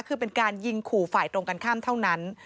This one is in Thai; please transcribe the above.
คือเป็นการยิงขู่ฝ่ายตรงกันข้ามเท่านั้น